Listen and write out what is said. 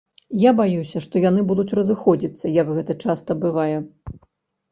Я баюся, што яны будуць разыходзіцца, як гэта часта бывае.